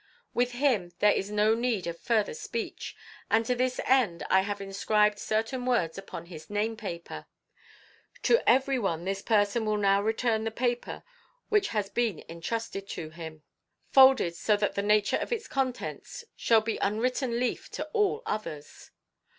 With him there is no need of further speech, and to this end I have inscribed certain words upon his namepaper. To everyone this person will now return the paper which has been entrusted to him, folded so that the nature of its contents shall be an unwritten leaf to all others.